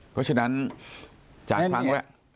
เพราะฉะนั้นจากครั้งแหละ